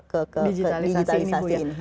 ke digitalisasi ini